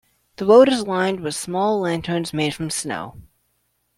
The road is lined with small lanterns made from snow.